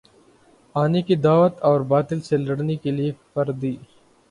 آنے کی دعوت اور باطل سے لڑنے کے لیے فردی